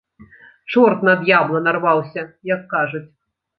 Чорт на д'ябла нарваўся, як кажуць.